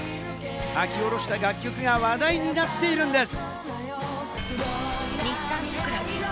書き下ろした楽曲が話題になっているんです。